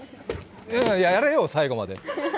やれよ、最後まで！